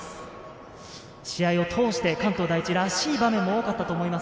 試合を通して関東第一らしい場面も多かったと思います。